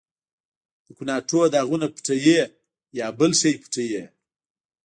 د ګناټو داغونه پټوې، یا بل شی پټوې؟